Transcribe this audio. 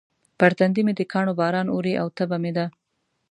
پر تندي مې د کاڼو باران اوري او تبه مې ده.